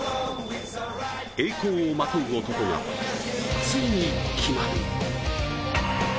栄光をまとう男がついに決まる。